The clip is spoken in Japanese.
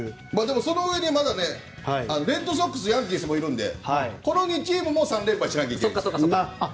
そのうえでまだレッドソックスヤンキースもいるのでこの２チームも３連敗しないといけない。